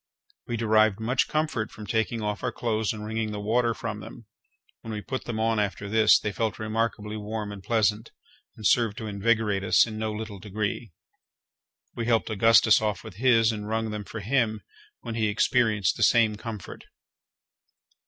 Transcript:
We derived much comfort from taking off our clothes and wringing the water from them. When we put them on after this, they felt remarkably warm and pleasant, and served to invigorate us in no little degree. We helped Augustus off with his, and wrung them for him, when he experienced the same comfort.